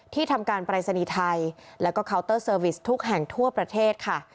ทำการปรายศนีย์ไทยแล้วก็เคาน์เตอร์เซอร์วิสทุกแห่งทั่วประเทศค่ะ